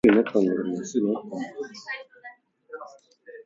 The film was distributed by United Artists.